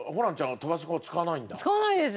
使わないです。